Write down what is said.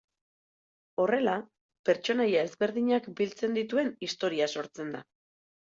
Horrela, pertsonaia ezberdinak biltzen dituen istorioa sortzen da.